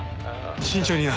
慎重にな。